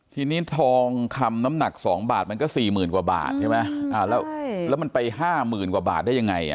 ทีนี้ทองคำน้ำหนัก๒บาทมันก็สี่หมื่นกว่าบาทใช่ไหมแล้วมันไปห้าหมื่นกว่าบาทได้ยังไง